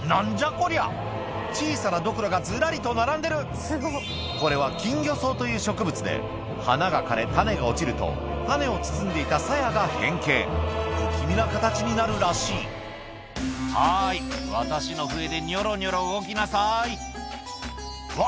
こりゃ小さなドクロがずらりと並んでるこれは金魚草という植物で花が枯れ種が落ちると種を包んでいたさやが変形不気味な形になるらしい「はい私の笛でにょろにょろ動きなさい」うわ！